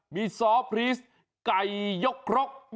มีซอพรีสไก่ยกครก